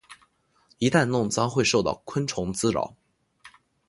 一旦弄脏会受到昆虫滋扰。